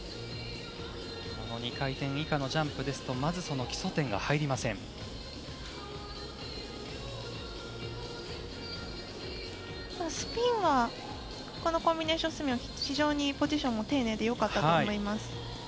２回転以下のジャンプだとこのコンビネーションスピンは非常にポジションも丁寧でよかったと思います。